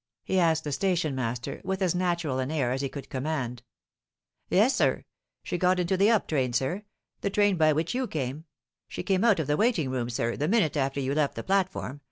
he asked the station master, with as natural an air as he could command. " Yes, sir. She got into the up train, sir ; the train by which you came. She came out of the waiting room, sir, the minute after you left the platform.